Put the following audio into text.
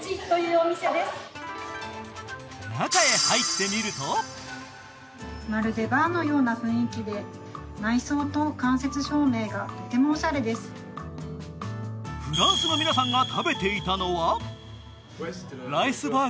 中へ入ってみるとフランスの皆さんが食べていたのは？